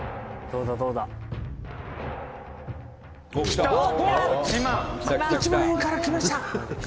和田：「１万円からきました。